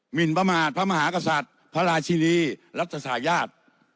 หินประมาทพระมหากษัตริย์พระราชินีรัฐศายาท